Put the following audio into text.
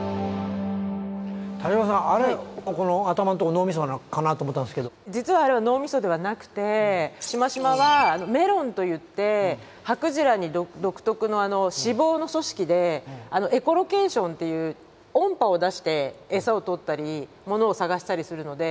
田島さんあれそこの実はあれは脳みそではなくてしましまはメロンといってハクジラに独特の脂肪の組織でエコロケーションっていう音波を出して餌を捕ったりものを探したりするので。